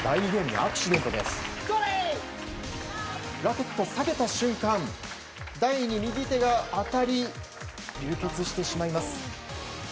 ラケットを下げた瞬間台に右手が当たり流血してしまいます。